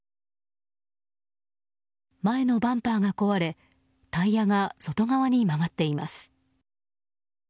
前のバンパーが壊れタイヤが外側に曲がっています。